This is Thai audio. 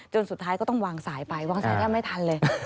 สุดท้ายก็ต้องวางสายไปวางสายแทบไม่ทันเลย